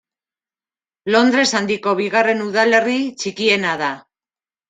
Londres Handiko bigarren udalerri txikiena da.